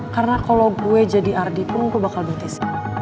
karena kalau gue jadi ardi pun gue bakal betis